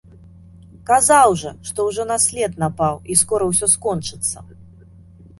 Казаў жа, што ўжо на след напаў, і скора ўсё скончыцца.